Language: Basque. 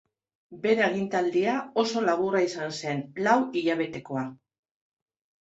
Bere agintaldia oso laburra izan zen, lau hilabetekoa.